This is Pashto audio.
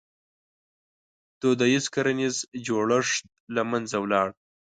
• دودیز کرنیز جوړښت له منځه ولاړ.